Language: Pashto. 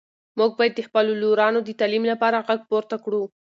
موږ باید د خپلو لورانو د تعلیم لپاره غږ پورته کړو.